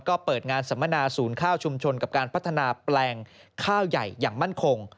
ก็เปิดงานสัมมนาศูนย์ข้าวชุมชนกับการพัฒนาแปลงข้าวใหญ่อย่างมั่นคง